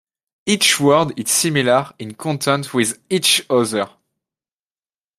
Each world is similar in content with each other.